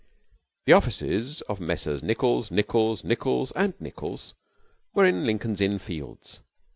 4 The offices of Messrs Nichols, Nichols, Nichols, and Nichols were in Lincoln's Inn Fields.